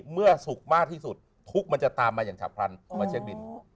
เมื่อสุขมากที่สุดทุกข์มันจะตามมาอย่างฉับพลันมาเช็คบิน